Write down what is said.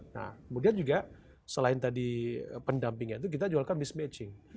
kemudian juga selain tadi pendampingnya itu kita juga jualan mismatching